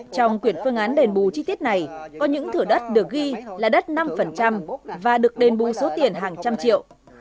trong quyển phương án đền bù chi tiết này có những thửa đất được ghi là đất năm và được đền bù số tiền hàng trăm triệu